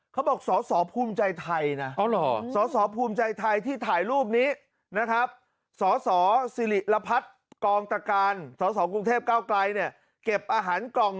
เขาบอกสอภูมิใจไทยนะ